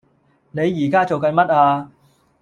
你宜家做緊乜呀？